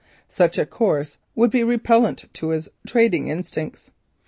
Such a course would be repellent to his trading instincts.